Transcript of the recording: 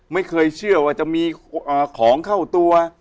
ไม่เคยเชื่อว่าจะมีของเข้าตัว